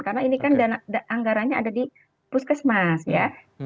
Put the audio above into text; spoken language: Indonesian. karena ini kan anggaranya ada di puskesmas ya